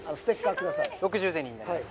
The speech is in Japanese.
６０ゼニーになります